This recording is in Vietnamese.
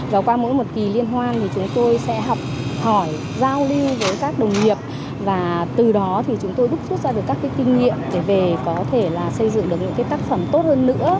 và qua mỗi một kỳ liên hoan thì chúng tôi sẽ học hỏi giao lưu với các đồng nghiệp và từ đó thì chúng tôi đúc rút ra được các cái kinh nghiệm để về có thể là xây dựng được những cái tác phẩm tốt hơn nữa